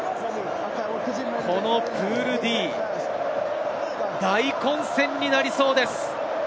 このプールＤ、大混戦になりそうです。